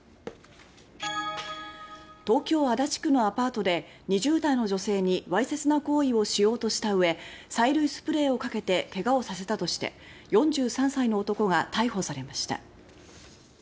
東京・足立区のアパートで２０代の女性にわいせつな行為をしようとしたうえ催涙スプレーをかけて怪我をさせたとして４３歳の男が逮捕されました。